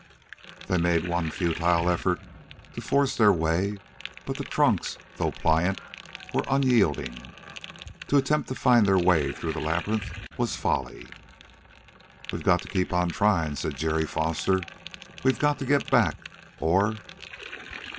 They made one futile effort to force their way, but the trunks, though pliant, were unyielding. To attempt to find their way through the labyrinth was folly. "We've got to keep on trying," said Jerry Foster. "We've got to get back, or...."